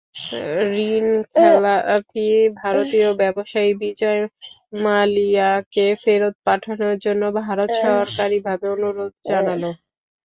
ঋণখেলাপি ভারতীয় ব্যবসায়ী বিজয় মালিয়াকে ফেরত পাঠানোর জন্য ভারত সরকারিভাবে অনুরোধ জানাল।